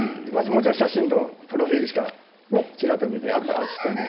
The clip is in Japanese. もちろん写真とプロフィールちらっと見て会ったら実際ね